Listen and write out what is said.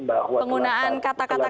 bahwa penggunaan kata kata